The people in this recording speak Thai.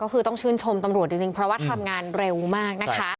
ก็คือต้องชื่นชมตำรวจจริงเพราะว่าทำงานเร็วมากนะคะ